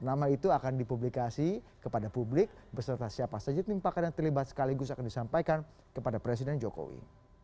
nama itu akan dipublikasi kepada publik beserta siapa saja tim pakar yang terlibat sekaligus akan disampaikan kepada presiden jokowi